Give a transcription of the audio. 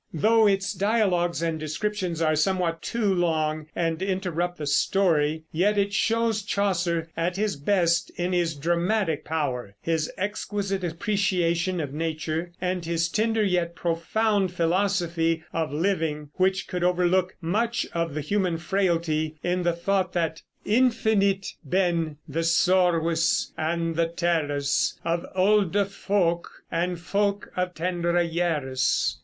Though its dialogues and descriptions are somewhat too long and interrupt the story, yet it shows Chaucer at his best in his dramatic power, his exquisite appreciation of nature, and his tender yet profound philosophy of living, which could overlook much of human frailty in the thought that Infinite been the sorwes and the teres Of oldë folk, and folk of tendre yeres.